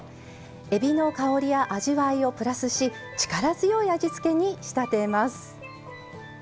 えびの香りや味わいをプラスし力強い味付けに仕立てます。